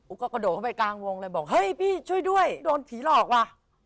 ก็กระโดดเข้าไปกลางวงเลยบอกเฮ้ยพี่ช่วยด้วยโดนผีหลอกว่ะ